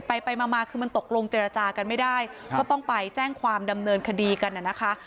ไปไปมามาคือมันตกลงเจรจากันไม่ได้ก็ต้องไปแจ้งความดำเนินคดีกันน่ะนะคะ